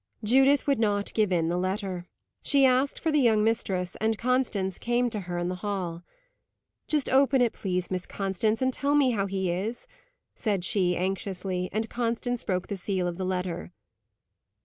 Judith would not give in the letter. She asked for the young mistress, and Constance came to her in the hall. "Just open it, please, Miss Constance, and tell me how he is," said she anxiously; and Constance broke the seal of the letter.